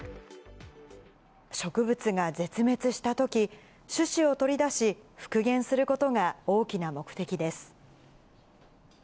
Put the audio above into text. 植物が絶滅したとき、種子を取り出し、復元することが大きな目的です。